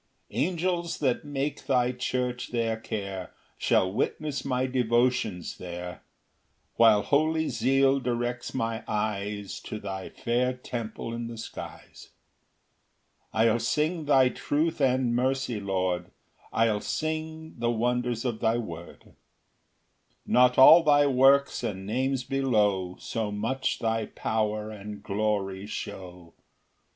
2 Angels that make thy church their care Shall witness my devotions there, While holy zeal directs my eyes To thy fair temple in the skies.] 3 I'll sing thy truth and mercy, Lord, I'll sing the wonders of thy word; Not all thy works and names below So much thy power and glory show.